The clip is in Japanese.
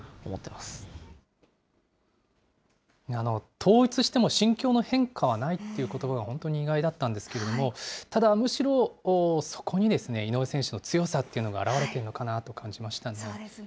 統一しても心境の変化はないっていうことばが本当に意外だったんですけれども、ただ、むしろそこにですね、井上選手の強さというのが表れているのかなって感じましたね。